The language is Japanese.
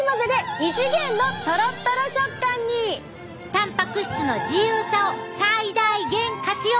たんぱく質の自由さを最大限活用！